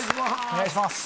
お願いします